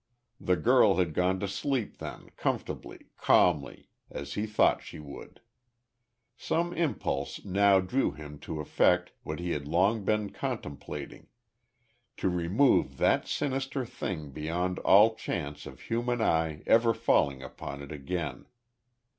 The girl had gone to sleep then, comfortably, calmly, as he thought she would. Some impulse now drew him to effect what he had long been contemplating, to remove that sinister thing beyond all chance of human eye ever falling upon it again.